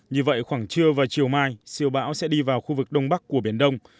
như vậy khoảng trưa và chiều mai siêu bão sẽ đi vào khu vực đông bắc của biển đông